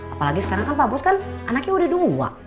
apalagi sekarang kan pak bus kan anaknya udah dua